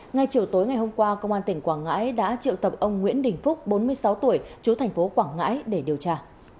ngay chiều tối ngày hôm qua công an tỉnh quảng ngãi đã triệu tập ông nguyễn đình phúc bốn mươi sáu tuổi chú thành phố quảng ngãi để điều tra